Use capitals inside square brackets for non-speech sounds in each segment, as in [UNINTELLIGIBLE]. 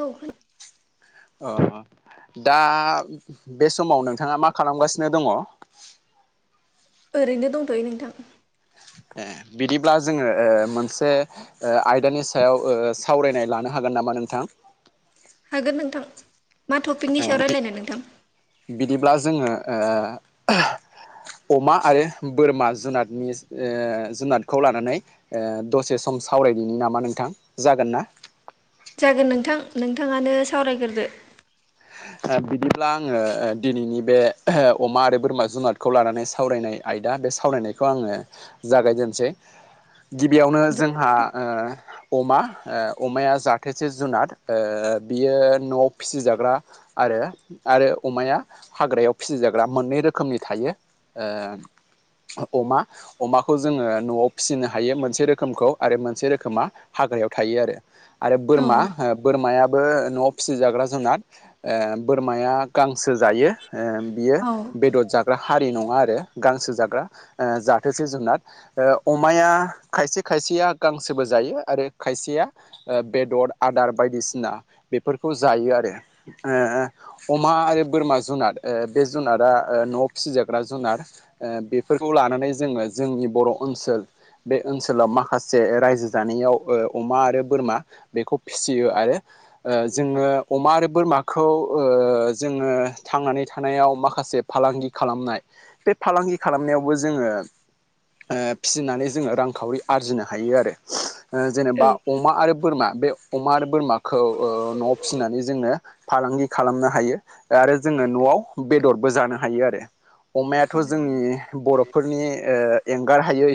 औ खोन अ दा बे समाव नोंथाङा मा खालामगासिनो दङ? ओरैनो दंथ'यो नोंथां। ए बिदिब्ला जोङो ओ मोनसे ओ आयदानि सायाव ओ सावरायनाय लानो हागोन नामा नोंथां? हागोन नोंथां मा टपिकनि सायाव रायलायनो नोंथां? बिदिब्ला जोङो ओ [UNINTELLIGIBLE] अमा आरो बोरमा जुनादनि ओ जुनादखौ लानानै ओ दसे सम आं सावरायदिनि नामा नोंथां जागोन ना जागोन नोंथां नोंथाङानो सावरायग्रदो बिदिब्ला आङो दिनैनि बे अमा आरो बोरमा जुनादखौ लानानै सावरायनाय आयदा दा बे सावरायनायखौ आङो जागायजेनसै गिबियावनो जोंहा ओ अमा ओ अमाया जाथेसे जुनाद ओ ओ बियो न'आव फिसिजाग्रा आरो आरो अमाया हाग्रायाव फिसिजाग्रा मोननै रोखोमनि थायो ओ अमा अमाखौ जोङो न'आव फिसिनो हायो मोनसे रोखोमखौ आरो मोनसे रोखोमा हा ग्रायाव थायो आरो आरो औ बोरमा ओ बोरमायाबो न'आव फिसिजाग्रा जुनाद ओ बोरमाया गांसो जायो ओ बियो औ बेदर जाग्रा हारि नङा आरो गांसो ओ जाग्राथोसे जुनार ओ अमाया खायसे खायसेया गां गांसोबो जायो आरो खायसेया बेदर आदार बायदिसिना बेफोरखौ जायो आरो ओ अमा आरो बोरमा जुनार बे जुनारा न'आव फिसिजाग्रा जुनार ओ बेफोरखौ लानानै जोङो जोंनि बर' ओनसोल बे ओनसोलाव माखासे रायजो जानायाव ओ अमा आरो बोरमा बेखौ फिसियो आरो ओ जोङो अमा आरो बोरमाखौ जोङो थांनानै थानायाव माखासे फालांगि खालामनाय बे फालांग फांगि खालामनायावबो जोङो ओ फिसिनानै जोङो रांखावरि आरजिनो हायो आरो ओ औ जेनेबा अमा आरो बोरमा बे अमा आरो बोरमाखौ न'आव फिसिनानै जोंनो फालांगि खालामनो हायो आरो जोङो न'आव बेदरबो जानो हायो आरो अमायाथ' जोंनि बर'फोरनि एंगार हायै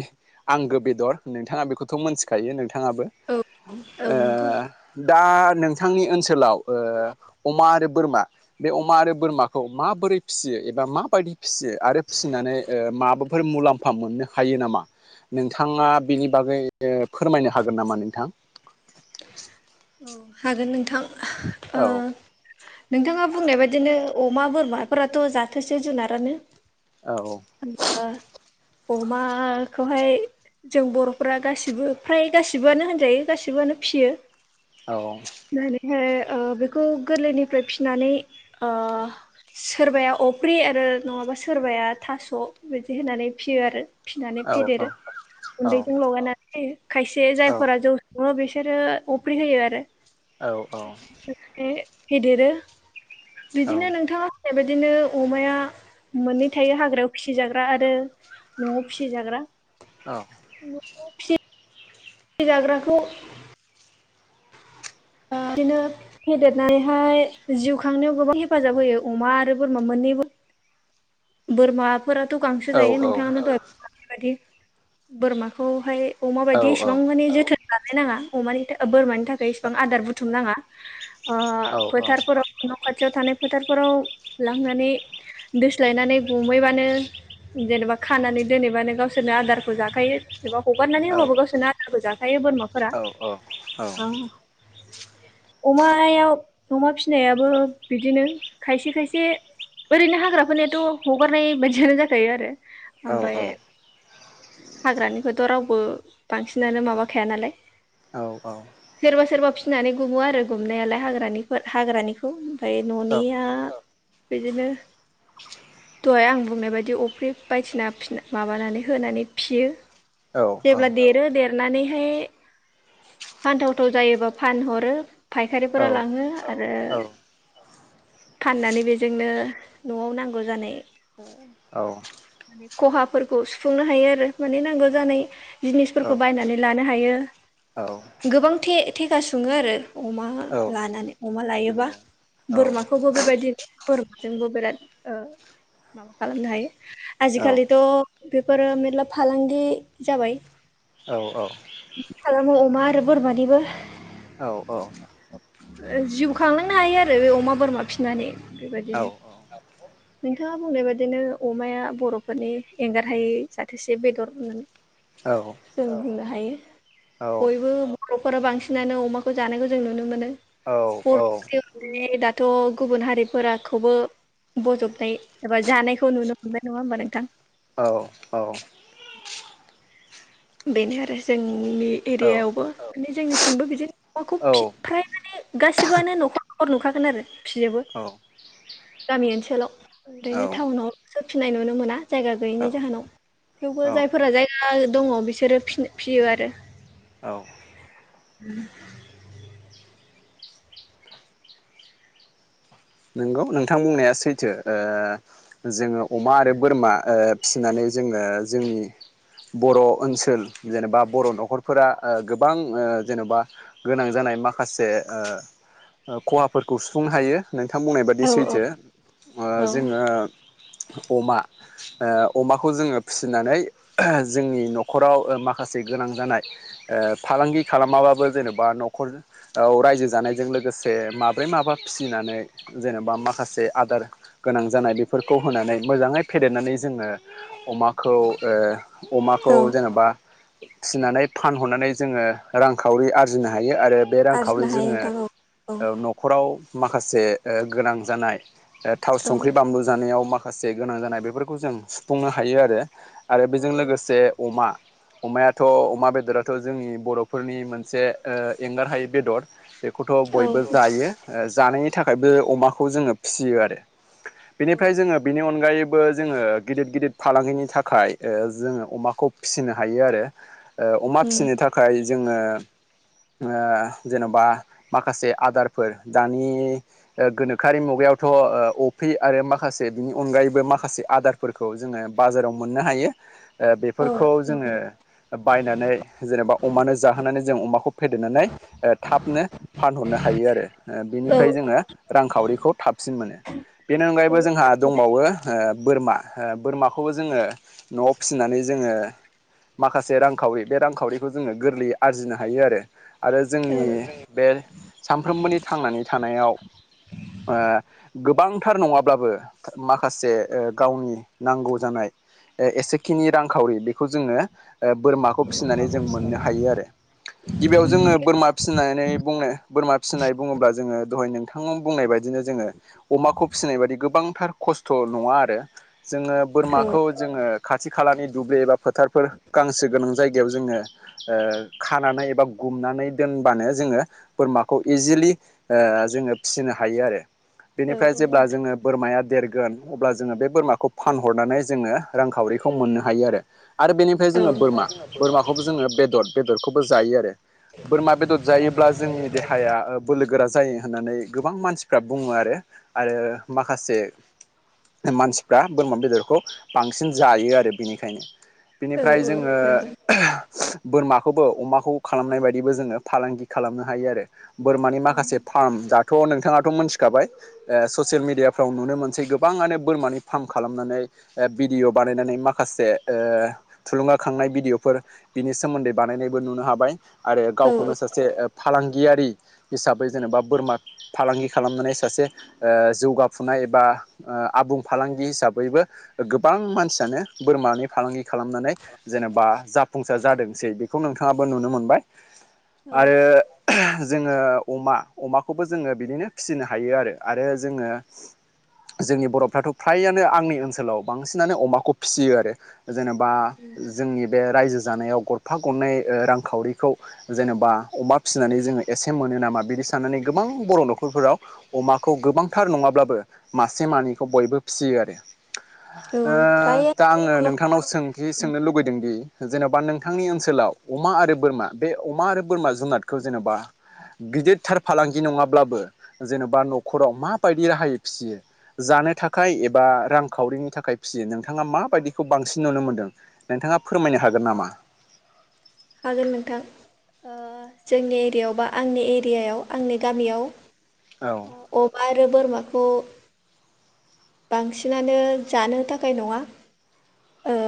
आंगो बेदर नोंथाङा बेखौथ' मिथिखायो नों बिथाङाबो औ औ ओ नंगौ दा नोंथांनि ओनसोलाव ओ अमा आरो बोरमा बे अमा आरो बोरमाखौ माबोरै फिसियो एबा माबायदि फिसियो आरो फिसिनानै ओ माबाफोर मुलाम फा मोननो हायो नामा नोंथाङा बेनि बागै फोरमायनो हागोन नामा नोंथां [INAUDIBLE] औ हागोन नोंथां औ ओ नोंथाङा बुंनाय बाददिनो अमा बोरमाफोराथ' जाथोसे जुनारानो औ अमाखौहाय जों बर'फोरा गासिबो फ्राय गासिबोआनो होनजायो गासिबो बानो फियो फिनानैहाय ना ओरैहाय ओ बेखौ गोरलैनिफ्राय फिनानै ओ सोरबाया अफ्रि आरो नङा बा सोरबाया थास' बिदि होनानै फियो आरो फिसिनानै औ फेदेरो गुन्दैजों लगायनानै खायसे जायफोरा जौ सङो बे बिसोरो आरो अप्रिं होयो आरो औ औ ओमफ्राय फेदेरो बिदिनो नोंथाङा बेबायदिनो अमाया मोननै थायो हाग्रायाव फिसिजाग्रा आरो न'आव फिसि जाग्रा औ [UNINTELLIGIBLE] दै जाग्राखौ बिदिनो फेदेरनानैहाय जिउ खांनायाव गोबां हेफाजाब होयो अमा आरो बोरमा मोननैबो बोरमा फोरथ' गांसो जायो नोंथाङानो दह बेबायदि बोरमाखौहाय अमा बायदि इसिबां माने जोथोन लानाय नाङा अमानि थाखाय बोरमानि थाखाय गोबां आदार बुथुम नाङा ओ फोथारफोराव न' खाथियाव थानाय फोथारफोराव लांनानै दोस्लायनानै गुमैबानो जेनेबा खानानै दोनबानो गावसोरनो आदारखौ जाखायो जेनेबा हगारनानै होबाबो गावसोरनो आदारखौ जाखा यो बोरमा फारा अमायाव अमा फिनायाबो बिदिनो खायसे- खायसे ओरैनो हाग्राफोरनियाथ' हगारनाय बायदियानो जाखायो आरो ओमफ्राय हाग्रानिखौथ' राव बो बांसिनानो माबाखाया नालाय औ-औ सोरबा सोरबा फिनानै गुमो आरो गुमनायालाय हाग्रानिफोर हाग्रानिखौ ओमफ्राय न'निया बिदिनो दहाय आं बुंनाय बायदि अफ्रि बायदिसिना फिना- माबानानै होनानै फियो जेब्ला देरो देरनानैहाय फान्थाव फथ' जायोबा फानहरो फायखारिफोरा औ लाङो आरो फाननानै बेजोंनो न'आव नांगौ जानाय औ माने खहाफोरखौ सुफुंनो हायो आरो माने नांगौ जानाय जिनिसफोरखौ बायनानै लानो हायो औ थे- थेखा सुङो आरो अमा लानानै अमा लायोबा नंगौ औ बोरमाखौबो बेबायदि बोरमाजोंबो बिराद ओ माबा खालामनो हायो औ आजिखालिथ' बेफोरो मेरला फालांगि जाबाय [UNINTELLIGIBLE] खालामो अमा आरो बोरमानिबो [UNINTELLIGIBLE] जिउ खांलांनो हायो आरो बे अमा बोरमा फिनानै औ बेबायदिनो नोंथाङा बुंनाय बादिनो अमाया बर'फोरनि एंगारहायै जाथोसे बेदर होननानै औ जों बुंनो हायो बयबो बर'फोरा बांसिनानो अमाखौ जानायखौ जों नुनो मोनो बर' हारिनि दाथ' गुबुन हारिफोराखौबो ब'जबनाय एबा जानायखौ नुनो मोनबाय नङा होमबा नोंथां औ-औ बेनो आरो जोंनि एरियायावबो माने जोंनिथिंबो बिदिनो अमाखौ फि- फ्राय माने गासिबोआनो न'खर- न'खर नुखागोन आरो फिजोबो गामि ओनसोलाव ओरैनो टाउनाव सोफिननाय नुनो मोना जायगा गैयैनि जाहोनाव थेवबो औ जायफोरा जायगा दङ बि सोरो फिनो-फियो आरो औ नंगौ नोंथां बुंनाया सैथो ओ जोङो अमा आरो बोरमा ओ फिसिनानै जोङो जोंनि बर' ओनसोल जेनेबा बर' न'खरफोरा ओ गोबां ओ जेन'बा गोनां जाना य माखासे ओ खहाफोरखौ सुफुंनो हायो नोंथां बुंना औ औ सैथो ओ औ जोङो अमा ओ अमाखौ जोङो फिसिनानै जोंनि न'खराव माखासे गोनां जानाय ओ फालांगि खालामाबाबो जेनेबा न'खर रायजो जानायजों लोगोसे माब्रै माबा फिसिनानै जेनेबा मा खासे आदार गोनां जानाय बेफोरखौ होनानै मोजाङै फेदेरनानै जोङो अमाखौ ओ अमाखौ औ जेनेबा फिनानै फानहरनानै जोङो रांखावरि आरजिनो हायो आरो बे आरजिनो रांखावरि हायो जोङो नोंथां औ न'खराव माखासे ओ गोनां जानाय थाव औ संख्रि बानलु जानायाव माखासे गोनां जानाय बेफोरखौ जों सुफुंनो हायो आरो आरो औ बेजों औ लोगोसे अमा अमायाथ' अमा बेदराथ' जोंनि बर'फोरनि मोनसे ओ एंगार हायि बेदर। बे खौथ' बयबो बेनिफ्राय जायो जानायनि थाखायबो अमाखौ जोङो फियो आरो बेनिफ्राय जोङो बिनि अनगायै बो जोङो गिदिर गिदिर फालांगिनि थाखाय जोङो अमाखौ फिसिनो हायो आरो। ओ अमा फिनो थाखाय जोङो ओ जेन'बा माखासे आदारफोर दानि गोनोख खाआरि मुगायावथ' अफ्रि आरो माखासे बिनि अनगायैबो माखासे आदारफोरखौ जोङो बाजाराव मोननो हायो, ओ बेफोरखौ जोङो बायनानै जेनेबा अमानो जाहोनानै जों अमाखौ फेदेरनानै थाबनो फानहरनो हायो आरो बिनिफ्राय जोङो रांखावरि थाबसिन मोनो। बेनि अनगायैबो जोंहा दंबावो ओ बोरमा हो बोरमाखौबो जोङो न'आव फिनानै जोङो माखासे रांखावरि बे रांखावरिखौ जोङो गोरलैयै आरजिनो हायो आरो। आरो जोंनि बे सामफ्रोमबोनि थांनानै थानायाव ओ गोबांथार नङाब्लाबो माखासे गावनि नांगौ जानाय ए-एसेखिनि रांखावरि बेखौ जोङो बोरमाखौ फिनानै जों मोननो हायो आरो। गिबियाव जोङो बोरमा फिनानै बुंनो बोरमा फिनाय बुङोबा जोङो दहाय नों थां बुंनाय बायदिनो जोङो अमाखौ फिनाय बायदि गोबांथार खस्थ' नङा आरो, जोङो बोरमाखौ जोङो खाथि खालानि दुब्लि एबा फोथारफोर गांसो गोनां जायगायाव जोङो ओ खानानै एबा गुमना नै दोनबानो जोङो बोरमाखौ इजिलि ओ जोङो फिसिनो हायो आरो बेनिफ्राय जेब्ला जोङो बोरमाया देर गोन अब्ला जोङो बे बोरमाखौ फानहरनानै जोङो रांखावरिखौ मोननो हायो आरो। आरो बेनिफ्राय जोङो बोरमा जोंना बोरमा बोरमाखौबो जोङो बेदर बेदरखौबो जायो आरो। बोरमा बेदर जायोब्ला जोंनि देहाया बोलोगोरा जायो होननानै गोबां मानसिफ्रा बुङो आरो आरो माखासे मानसिफ्रा बोरमा बेदरखौ बांसिन जायो आरो बेनिखायनो। बिनिफ्राय जोङो बेनिफ्राय [UNINTELLIGIBLE] बोरमाखौबो अमाखौ खालामनाय बायदिबो जोङो फालांगि खालामनो हायो आरो। बोरमानि माखासे फार्म दा थाङाथ' मिथिखाबाय ओ ससियेल मिडियाफ्राव नुनो मोनसै गोबाङानो बोरमानि फार्म खालामनानै भिडिअ बानायनानै माखासे थुलुंगाखांनाय भिडिअफोर बिनि सोमोन्दै बानायनाय बो नुनो हाबाय आरो गावखौनो सासे फालांगियारि हिसाबै जेनेबा बोरमा फालांगि खालामनानै सासे जौगाफुनाय एबा आबुं फालांगि हिसाबैबो गोबां मानसियानो बोरमानि फालांगि खालामनानै जेनेबा जाफुंसार जादोंसै बेखौ नोंथाङाबो नुनो मोनबाय। आरो ओह जोङो अमा-अमा खौबो जोङो बिदिनो फिसिनो हायो आरो। आरो जोङो जोंनि बर'फ्राथ' फ्रायानो आंनि ओनसोलाव बांसिनानो अमाखौ फियो आरो। जेनेबा जोंनि बे रायजो जानायाव गरफा गरनै ओ रांखावरिखौ जेनेबा अमा फिसिनानै जोङो एसे मोनो नामा बिदि साननानै गोबां बर' न'खरफोराव अमाखौ गोबांथार नङाब्लाबो मा से मानैखौ बयबो फियो आरो। ओ जों फ्राय दा आङो नोंथांनाव सोंखि सोंनो लुगैदोंदि जेन'बा नोंथांनि ओनसोलाव अमा आरो बोरमा बे अमा आरो बोरमा जुनादखौ जेन'बा गिदिरथार फालांगि नङाब्लाबो जेन'बा न'खराव माबायदि राहायै फियो। जानो थाखाय एबा रांखावरिनि थाखाय फियो नोंथाङा माबायदिखौ बांसिन नुनो मोनदों नोंथां थाङा फोरमायनो हागोन नामा? हागोन नोंथां। ओ जोंनि एरियायाव बा आंनि एरियायाव आंनि गामियाव ह औ अबा आरो बोरमाखौ। बांसिनानो जानो थाखाय नङा ओ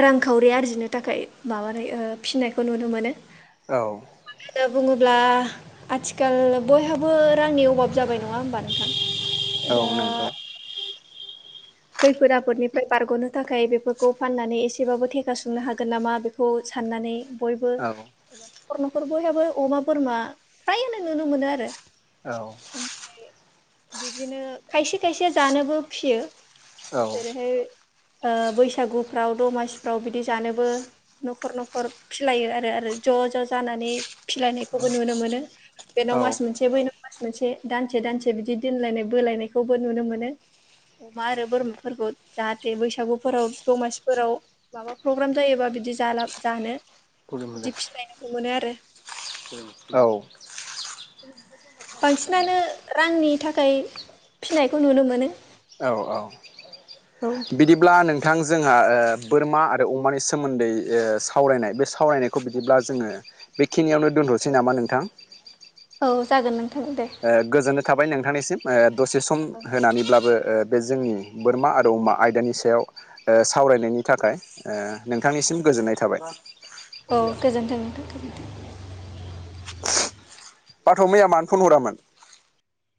रांखावरि आरजिनो थाखाय माबानाय ओ फिनायखौ नुनो मोनो। औ। दा बुङोब्ला आथिखाल बयहाबो रांनि अभाब जाबाय नङा होमबा नोंथां? औ दा नंगौ। खैफोद आफोदनिफ्राय बारग'नो थाखाय बेफोरखौ फाननानै एसेबाबो थेखा संनो हागोन नामा बेखौ साननानै बयबो औ एबा न'खर न'खर बयहाबो अमा बोरमा फ्रायनो नुनो मोनो आरो। औ। ओमफ्राय बिदिनो खायसे खायसे जानोबो फियो औ जेरैहाय ओ बैसागुफ्राव दमासिफ्राव बिदि जानोबो न'खर न'खर फिसिलायो आरो आरो ज' ज' जानानै फिसिलायनायखौबो नुनो मोनो बेनाव औ मास मोनसे बैनाव मास मोनसे दानसे दानसे बिदि दोनलायनाय बोलायनायखौबो नुनो मोनो अमा आरो बोरमाफोरखौ जाहाथे बैसागुफोराव दमासिफोराव माबा प्रग्राम जायोबा बिदि जाला जानो खुलुमबाय बिदि फिनायनायखौ मोनो आरो। औ। बांसिनानो रांनि थाखाय फिनायखौ नुनो मोनो। औ औ औ बिदिब्ला नों थां जोंहा ओ बोरमा आरो अमानि सोमोन्दै ओ सावरायनाय बे सावरायनायखौ बिदिब्ला जोङो बेखिनियावनो दोनथ'नोसै नामा नोंथां? औ जागोन नों ओ गोजोननाय थाबाय नोंथांनिसिम, ओ दसे सम होनानैब्लाबो ओ बे जोंनि बोरमा आरो अमा आयदानि सायाव ओ सावरायनायनि थाखाय ओ नोंथांनिसिम गोजोननाय थाबाय। औ गोजोनथों गोजोनथों। बाथौ मैया मानो फन हरामोन?